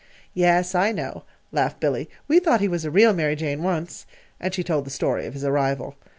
"Yes, I know," laughed Billy. "We thought he was a real Mary Jane, once." And she told the story of his arrival.